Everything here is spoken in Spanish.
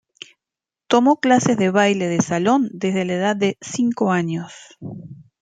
Tomó clases de baile de salón desde la edad de cinco años.